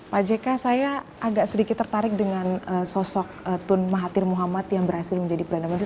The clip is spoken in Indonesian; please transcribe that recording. pak jk saya agak sedikit tertarik dengan sosok tun mahathir muhammad yang berhasil menjadi perdana menteri